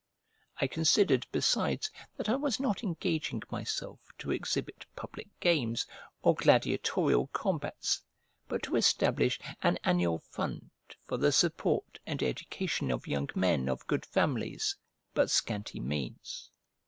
I considered, besides, that I was not engaging myself to exhibit public games or gladiatorial combats, but to establish an annual fund for the support and education of young men of good families but scanty means.